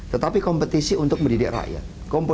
tetapi kompetisi untuk mendidik rakyat